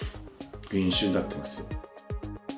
減収になってますよ。